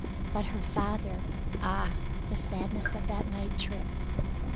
But her father — Ah, the sadness of that night trip!